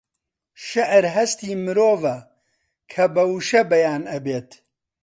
شێعر هەستی مرۆڤە کە بە وشە بەیان ئەبێت